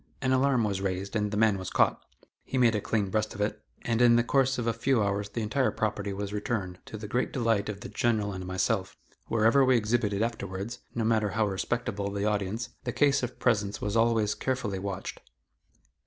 An alarm was raised, and the man was caught. He made a clean breast of it, and in the course of a few hours the entire property was returned, to the great delight of the General and myself. Wherever we exhibited afterwards, no matter how respectable the audience, the case of presents was always carefully watched.